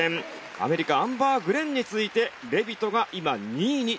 アメリカアンバー・グレンに続いてレビトが今２位につけています。